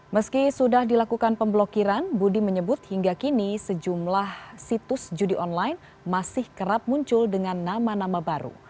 meski sudah dilakukan pemblokiran budi menyebut hingga kini sejumlah situs judi online masih kerap muncul dengan nama nama baru